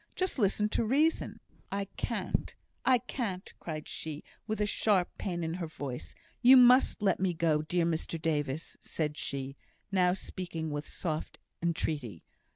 Just listen to reason." "I can't! I can't!" cried she, with sharp pain in her voice. "You must let me go, dear Mr Davis!" said she, now speaking with soft entreaty.